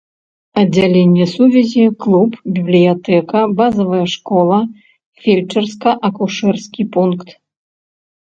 Аддзяленне сувязі, клуб, бібліятэка, базавая школа, фельчарска-акушэрскі пункт.